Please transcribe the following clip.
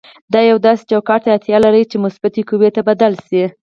دا یو داسې چوکاټ ته اړتیا لري چې مثبتې قوې ته بدل شي.